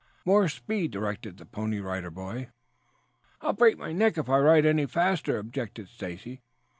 "More speed," directed the Pony Rider Boy. "I'll break my neck if I ride any faster," objected Stacy.